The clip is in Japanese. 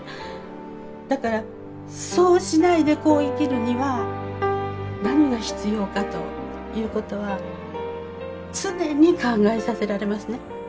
だからそうしないでこう生きるには何が必要かということは常に考えさせられますね。